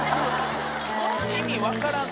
意味分からん。